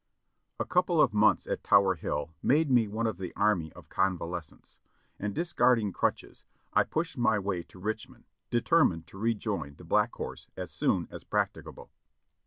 A couple of months at Tower Hill made me one of the army of convalescents, and discarding crutches I pushed my way to Rich mond, determined to rejoin the Black Horse as soon as prac ticable.